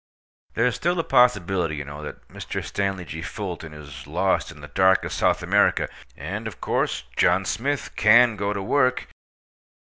There's still the possibility, you know, that Mr. Stanley G. Fulton is lost in darkest South America, and of course John Smith can go to work!